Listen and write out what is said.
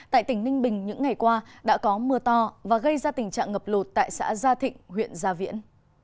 tại tỉnh ninh bình những ngày qua đã có mưa to và gây ra tình trạng ngập lụt tại xã gia thịnh huyện gia viễn